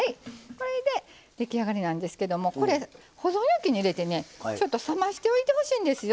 これで出来上がりなんですけどもこれ保存容器に入れてねちょっと冷ましておいてほしいんですよ。